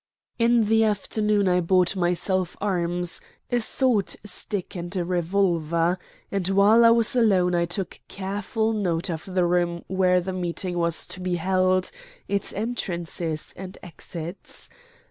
In the afternoon I bought myself arms a sword stick and a revolver; and while I was alone I took careful note of the room where the meeting was to be held, its entrances and exits.